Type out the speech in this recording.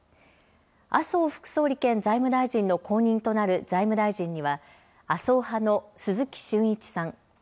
麻生副総理兼財務大臣の後任となる財務大臣には、麻生派の鈴木俊一さん。